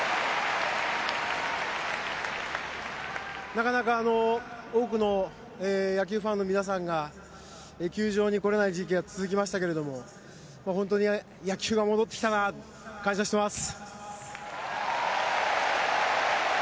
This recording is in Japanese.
なかなか多くの野球ファンの皆さんが球場に来られない時期が続きましたけど本当に野球が戻ってきたなと感謝しています。